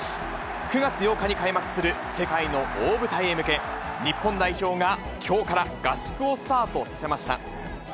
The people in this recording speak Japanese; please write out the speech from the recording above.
９月８日に開幕する世界の大舞台へ向け、日本代表がきょうから合宿をスタートさせました。